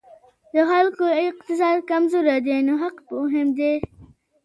د خلکو اقتصاد کمزوری دی نو حق مهم دی.